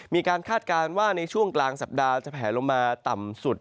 คาดการณ์ว่าในช่วงกลางสัปดาห์จะแผลลงมาต่ำสุด